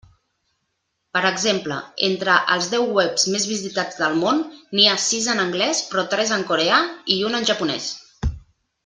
Per exemple: entre els deu webs més visitats del món n'hi ha sis en anglès, però tres en coreà i un en japonès.